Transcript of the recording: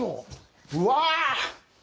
うわ！